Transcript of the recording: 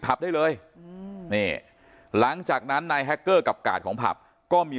ได้เลยอืมนี่หลังจากนั้นนายแฮคเกอร์กับกาดของผับก็มี